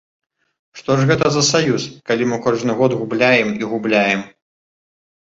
Што ж гэта за саюз, калі мы кожны год губляем і губляем?